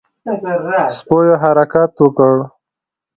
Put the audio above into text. سپيو حرکت وکړ.